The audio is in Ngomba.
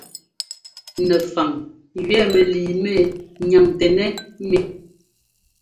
Nɛfaŋ gẅɛɛ mɛlii mɛ nyaŋtɛnɛ́ mík.